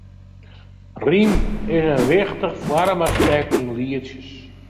Rym is in wichtich foarmaspekt yn lietsjes.